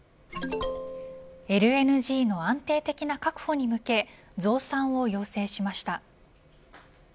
ＬＮＧの安定的な確保に向け増産を要請しました。